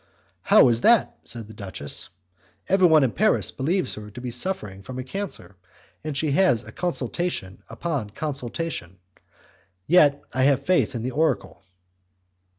"How is that?" said the duchess; "everyone in Paris believes her to be suffering from a cancer, and she has consultation upon consultation. Yet I have faith in the oracle."